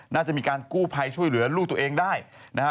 น่าจะมีการกู้ภัยช่วยเหลือลูกตัวเองได้นะฮะ